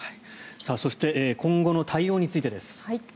そして今後の対応についてです。